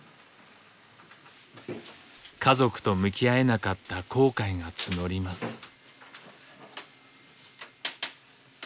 家族と向き合えなかった後悔が募ります。